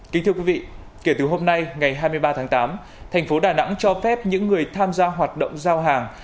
kính thưa quý vị kể từ hôm nay ngày hai mươi ba tháng tám thành phố đà nẵng cho phép những người tham gia hoạt động giao hàng